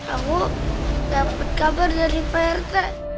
aku dapet kabar dari prt